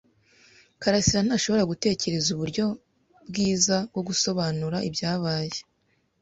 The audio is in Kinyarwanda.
karasira ntashobora gutekereza uburyo bwiza bwo gusobanura ibyabaye.